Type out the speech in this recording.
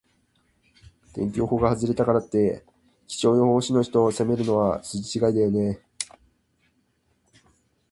天気予報が外れたからって、気象予報士の人を責めるのは筋違いだよね。